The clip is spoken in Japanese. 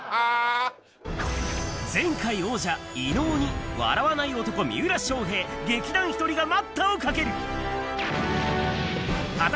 前回王者、伊野尾に、笑わない男、三浦翔平、劇団ひとりが待ったをかける。